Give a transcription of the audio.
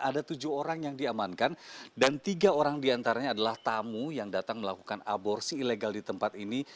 ada tujuh orang yang diamankan dan tiga orang diantaranya adalah tamu yang datang melakukan aborsi ilegal di tempat ini